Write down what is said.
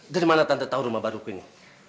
dari mana tante tahu rumah baruku ini